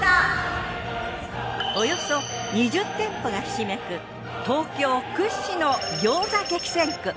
およそ２０店舗がひしめく東京屈指の餃子激戦区。